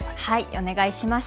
お願いします。